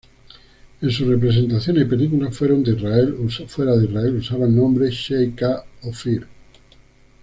En sus presentaciones y películas fuera de Israel usaba el nombre Shai K. Ophir.